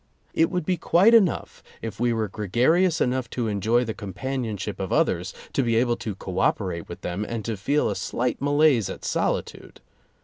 It would be quite enough if we were gregarious enough to enjoy the companionship of others, to be able to cooperate with them, and to feel a slight malaise at solitude.